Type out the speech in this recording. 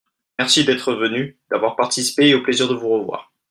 Merci d'être venu, d'avoir participé et au plaisir de vous revoir